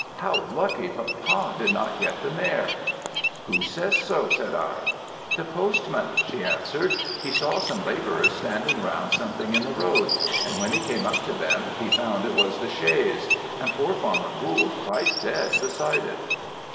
How lucky, papa did not get the mare!' "'Who says so?' said I. "'The postman;' she answered, 'he saw some labourers standing round something in the road; and when he came up to them, he found it was the chaise, and poor farmer Gould quite dead beside it!'